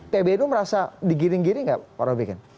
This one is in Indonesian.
pbnu merasa digiring giring gak